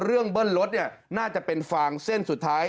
เรื่องเบิ้ลรถน่าจะเป็นฟางเส้นสุดท้าย